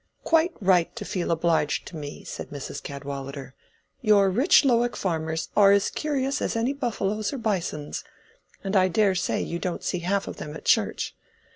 "Quite right to feel obliged to me," said Mrs. Cadwallader. "Your rich Lowick farmers are as curious as any buffaloes or bisons, and I dare say you don't half see them at church.